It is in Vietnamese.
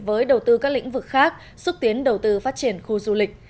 với đầu tư các lĩnh vực khác xúc tiến đầu tư phát triển khu du lịch